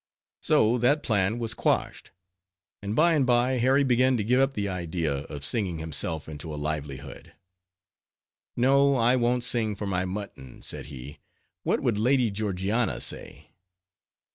So that plan was quashed; and by and by Harry began to give up the idea of singing himself into a livelihood. "No, I won't sing for my mutton," said he—"what would Lady Georgiana say?"